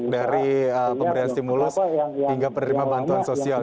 dari pemberian stimulus hingga penerima bantuan sosial